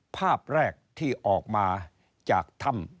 ภาพแรกที่ออกมาจากถ้ำ